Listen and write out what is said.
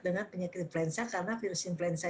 dengan penyakit influenza karena virus influenza